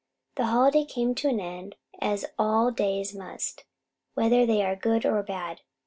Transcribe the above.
The holiday came to an end, as all days must, whether they are good or bad.